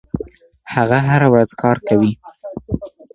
هغه هره ورځ کار کوي.